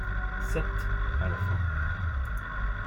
sept, à la fin.